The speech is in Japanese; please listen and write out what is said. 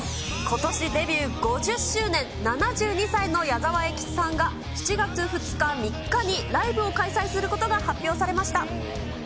ことしデビュー５０周年、７２歳の矢沢永吉さんが、７月２日、３日にライブを開催することが発表されました。